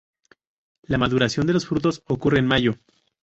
La maduración de los frutos ocurre en mayo.